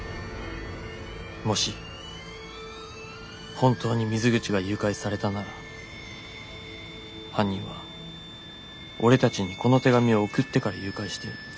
もし本当に水口が誘拐されたなら犯人は俺たちにこの手紙を送ってから誘拐してる。